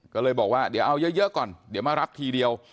ก็เลยบอกว่าเดี๋ยวเอาเยอะก่อนเดี๋ยวมารับทีเดียว